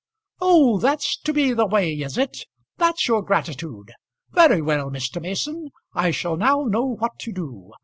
"Oh, that's to be the way, is it? That's your gratitude. Very well, Mr. Mason; I shall now know what to do.